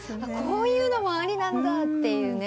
こういうのもありなんだって。